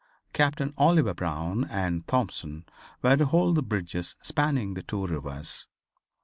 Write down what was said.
Captain Oliver Brown and Thompson were to hold the bridges spanning the two rivers.